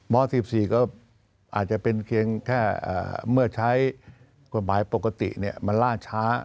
๑๔ก็อาจจะเป็นเพียงแค่เมื่อใช้กฎหมายปกติมันล่าช้า